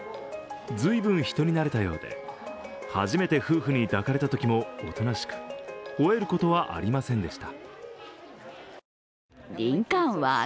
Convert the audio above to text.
随分、人に慣れたようで、初めて夫婦に抱かれたときもおとなしく、ほえることはありませんでした。